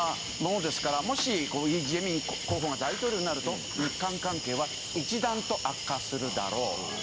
ですからもしイジェミョン候補が大統領になると日韓関係は一段と悪化するだろう。